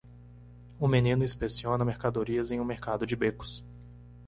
Um menino inspeciona mercadorias em um mercado de becos.